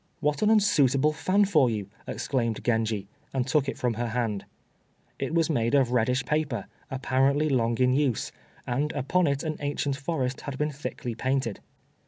"What an unsuitable fan for you!" exclaimed Genji, and took it from her hand. It was made of reddish paper, apparently long in use, and upon it an ancient forest had been thickly painted.